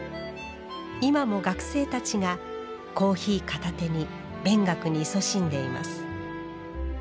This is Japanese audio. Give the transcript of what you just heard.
今も学生たちがコーヒー片手に勉学にいそしんでいます